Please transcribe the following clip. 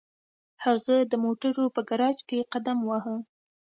هغه د موټرو په ګراج کې قدم واهه